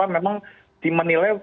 memang di menilai